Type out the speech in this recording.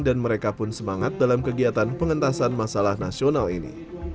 dan mereka pun semangat dalam kegiatan pengentasan masalah nasional ini